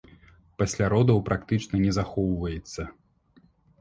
Пасля родаў практычна не захоўваецца.